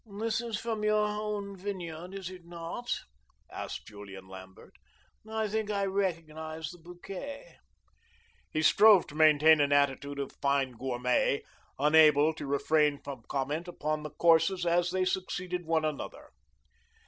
"This is from your own vineyard, is it not?" asked Julian Lambert. "I think I recognise the bouquet." He strove to maintain an attitude of fin gourmet, unable to refrain from comment upon the courses as they succeeded one another.